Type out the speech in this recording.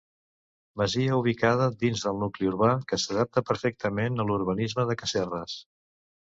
Masia ubicada dins del nucli urbà, que s'adapta perfectament a l'urbanisme de Casserres.